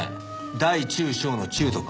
大中小の「中」とか。